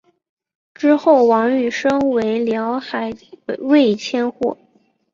之后王瑜升为辽海卫千户。